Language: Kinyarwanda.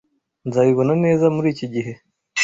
Nzabibona neza muriki gihe.